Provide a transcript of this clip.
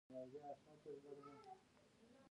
پابندي غرونه د افغانستان د ښکلي طبیعت یوه مهمه برخه ده.